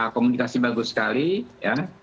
komunikasi bagus sekali ya